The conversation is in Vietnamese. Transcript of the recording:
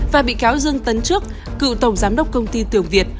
và bị cáo dương tấn trước cựu tổng giám đốc công ty tường việt